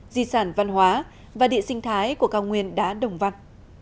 di sản văn hóa và địa sinh thái của cao nguyên đá đồng văn